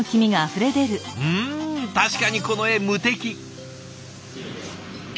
ん確かにこの絵無敵。